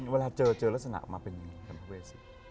เวลาเจอลักษณะมาเป็นกับเอซี